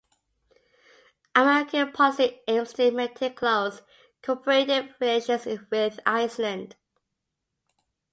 American policy aims to maintain close, cooperative relations with Iceland